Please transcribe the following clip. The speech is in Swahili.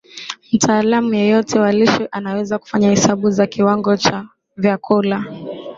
mtaalamu yeyote wa lishe anaweza kufanya hesabu za kiwango cha vyakula